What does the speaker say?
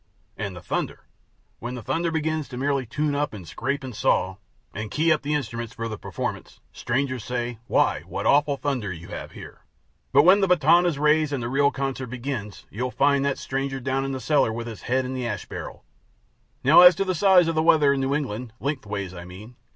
And the thunder. When the thunder begins to merely tune up and scrape and saw, and key up the instruments for the performance, strangers say, �Why, what awful thunder you have here!� But when the baton is raised and the real concert begins, you'll find that stranger down in the cellar with his head in the ash barrel. Now as to the size of the weather in New England lengthways, I mean.